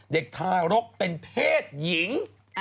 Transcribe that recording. เด็กทารกเป็นเพศหญิง